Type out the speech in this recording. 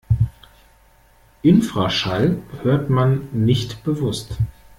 Infraschall hört man nicht bewusst.